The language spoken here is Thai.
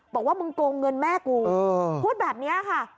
บอกว่ามึงโกงเงินแม่กูพูดแบบนี้ค่ะ